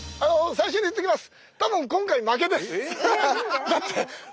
最初に言っておきます。